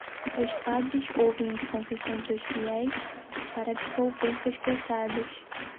Os padres ouvem as confissões dos fiéis para absolver seus pecados.